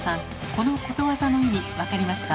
このことわざの意味分かりますか？